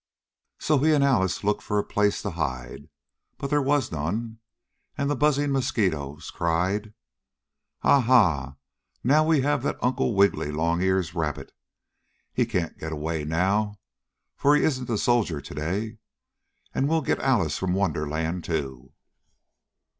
So he and Alice looked for a place to hide, but there was none, and the buzzing mosquitoes cried: "Ah, ha! Now we have that Uncle Wiggily Longears rabbit. He can't get away now, for he isn't a soldier today! And we'll get Alice from Wonderland, too!"